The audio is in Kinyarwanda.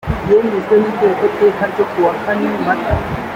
yemejwe n itegeko teka ryo kuwa kane mata